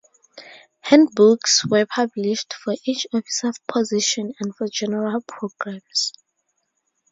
Handbooks were published for each officer position and for general programs.